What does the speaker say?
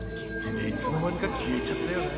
いつの間にか消えちゃったよな。